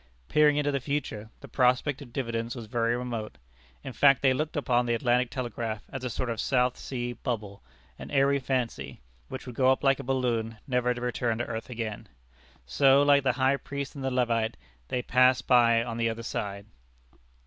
Peering into the future, the prospect of dividends was very remote. In fact they looked upon the Atlantic Telegraph as a sort of South Sea Bubble, an airy fancy, which would go up like a balloon, never to return to earth again. So, like the high priest and the Levite, they passed by on the other side.